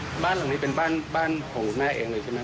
สุดตามมาเลยเป็นบ้านของแม่เองเลยใช่ไหม